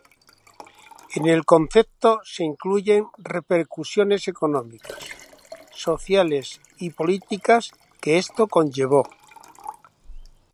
En el concepto se incluyen repercusiones económicas, sociales y políticas que esto conllevó.